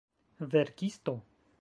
verkisto